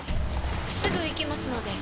すぐ行きますので。